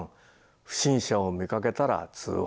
「不審者を見かけたら通報」。